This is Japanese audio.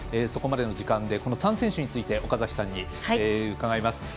そこまでの時間で３選手について岡崎さんに伺います。